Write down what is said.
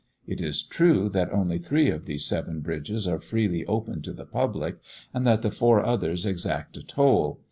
It is true that only three of these seven bridges are freely open to the public, and that the four others exact a toll.